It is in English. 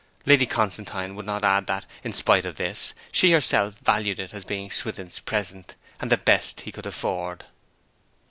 Lady Constantine could not add that, in spite of this, she herself valued it as being Swithin's present, and the best he could afford.